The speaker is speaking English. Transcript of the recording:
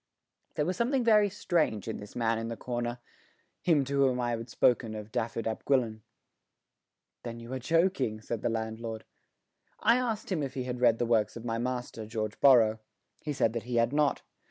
There was something very strange in this man in the corner him to whom I had spoken of Dafydd ap Gwilyn. "Then you are joking," said the landlord. I asked him if he had read the works of my master, George Borrow. He said that he had not.